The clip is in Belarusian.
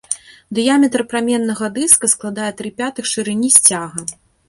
Дыяметр праменнага дыска складае тры пятых шырыні сцяга.